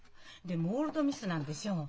でもオールドミスなんでしょう？